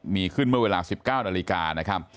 มีขึ้นเมื่อเวลา๑๙นาฬิกานะครับ